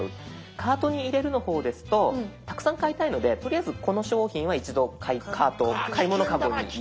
「カートに入れる」の方ですとたくさん買いたいのでとりあえずこの商品は一度カート買い物かごに入れておいて。